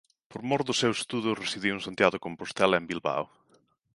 Por mor dos seus estudos residiu en Santiago de Compostela e en Bilbao.